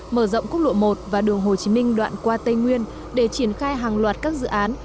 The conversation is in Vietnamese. mở rộng quốc lộ một và đường hồ chí minh đoạn qua tây nguyên để triển khai hàng loạt các dự án